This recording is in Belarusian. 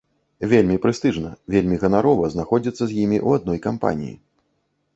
Вельмі прэстыжна, вельмі ганарова знаходзіцца з імі ў адной кампаніі.